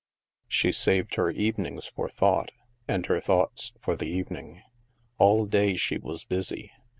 She saved her evenings for thought and her thoughts for the evening. All day she was busy.